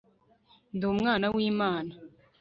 ndi umwana w'imana